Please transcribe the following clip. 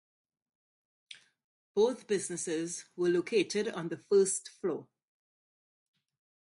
Both businesses were located on the first floor.